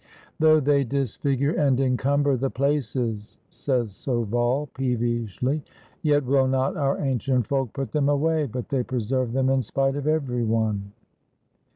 "Though they disfigure and encumber the places," says Sauval peevishly, "yet will not our ancient folk put them away, but they preserve them in spite of every one."